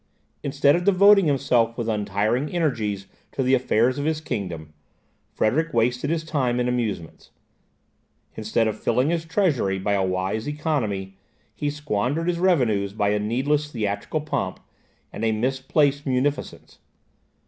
Instead of devoting himself with untiring energies to the affairs of his kingdom, Frederick wasted his time in amusements; instead of filling his treasury by a wise economy, he squandered his revenues by a needless theatrical pomp, and a misplaced munificence.